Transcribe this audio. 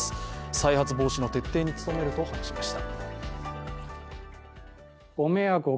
再発防止の徹底に努めると話しました。